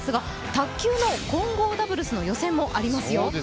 卓球の混合ダブルスの予選もありますよ。